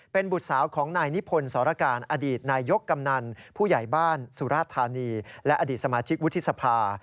เป็นบุตรสาวของนายนิพนธ์สรการอดีตนายยกกำนันผู้ใหญ่บ้านสุราธานีและอดีตสมาชิกวุฒิสภา